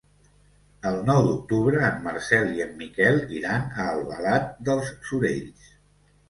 El nou d'octubre en Marcel i en Miquel iran a Albalat dels Sorells.